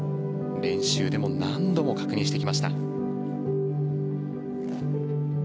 練習でも何度も確認してきました。